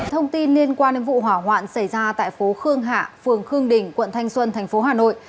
thông tin liên quan đến vụ hỏa hoạn xảy ra tại phố khương hạ phường khương đình quận thanh xuân thành phố hà nội